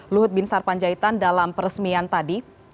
luhut bin sarpanjaitan dalam peresmian tadi